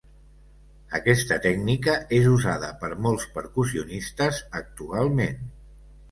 Aquesta tècnica és usada per molts percussionistes actualment.